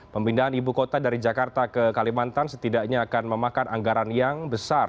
pemindahan ibu kota dari jakarta ke kalimantan setidaknya akan memakan anggaran yang besar